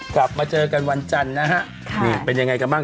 กลับมาเจอกันวันจันทร์นะฮะนี่เป็นยังไงกันบ้าง